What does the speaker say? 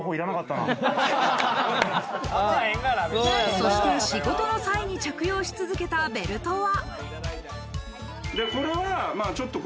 そして、仕事の際に着用し続けたベルトは。